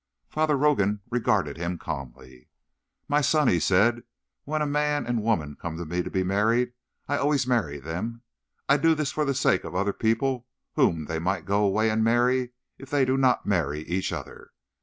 Father Rogan regarded him calmly. "My son," he said, "when a man and woman come to me to be married I always marry them. I do this for the sake of other people whom they might go away and marry if they did not marry each other.